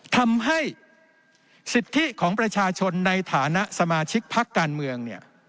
ทำให้สิทธิของประชาชนในฐานะสมาชิกพักการเมืองเนี่ย